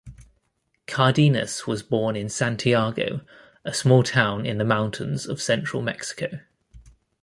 Cardenas was born in Santiago, a small town in the mountains of central Mexico.